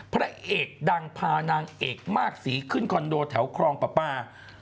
พระเอกดังพานางเอกมากสีขึ้นคอนโดแถวครองประปา